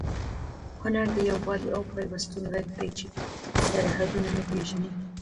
هنر د یووالي او پیوستون غږ دی چې سرحدونه نه پېژني.